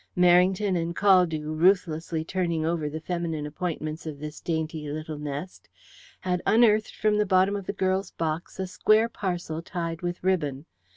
Merrington and Caldew, ruthlessly turning over the feminine appointments of this dainty little nest, had unearthed from the bottom of the girl's box a square parcel tied with ribbon.